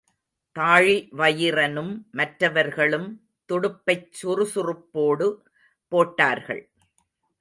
தாழிவயிறனும் மற்றவர்களும் துடுப்பைச் சுறுசுறுப்போடு போட்டார்கள்.